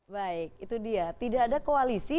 baik itu dia tidak ada koalisi